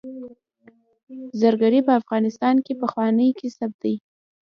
زرګري په افغانستان کې پخوانی کسب دی